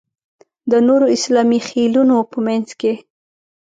د نورو اسلامي خېلونو په منځ کې.